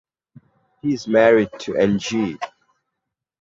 He is married to Angie.